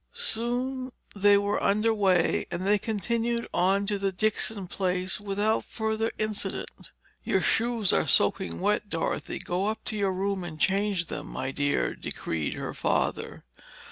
Soon they were under way, and they continued on to the Dixon place without further incident. "Your shoes are soaking wet, Dorothy. Go up to your room and change them, my dear," decreed her father.